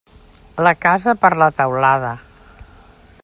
La casa per la teulada.